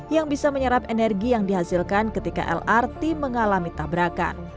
yang bisa menyerap energi yang dihasilkan ketika lrt mengalami tabrakan